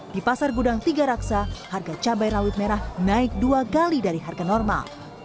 di pasar gudang tiga raksa harga cabai rawit merah naik dua kali dari harga normal